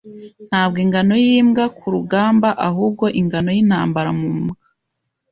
Ntabwo ingano yimbwa kurugamba, ahubwo ingano yintambara mu mbwa.